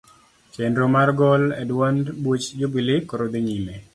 Chenro mar gol e duond buch jubilee koro dhi nyime.